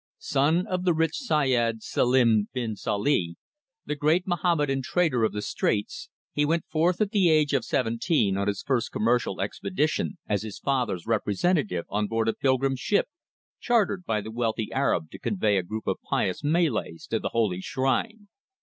Son of the rich Syed Selim bin Sali, the great Mohammedan trader of the Straits, he went forth at the age of seventeen on his first commercial expedition, as his father's representative on board a pilgrim ship chartered by the wealthy Arab to convey a crowd of pious Malays to the Holy Shrine.